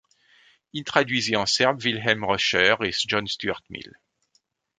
Il traduisit en serbe Wilhelm Roscher et John Stuart Mill.